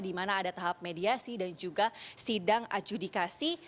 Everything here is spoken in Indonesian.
di mana ada tahap mediasi dan juga sidang adjudikasi